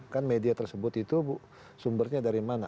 kan media tersebut itu sumbernya dari mana